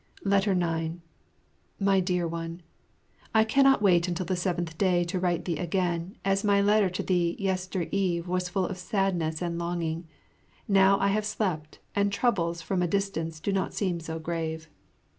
9 My Dear One, I cannot wait until the seventh day to write thee again, as my letter to thee yestereve was full of sadness and longing. Now I have slept, and troubles from a distance do not seem so grave.